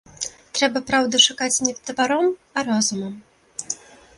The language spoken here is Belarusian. Трэба праўды шукаць не тапаром, а розумам.